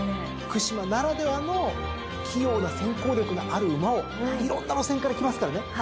福島ならではの器用な先行力のある馬をいろんな路線からきますからね。